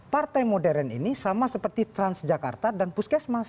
partai modern ini sama seperti transjakarta dan puskesmas